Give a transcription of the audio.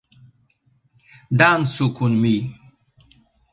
Dancu kun mi!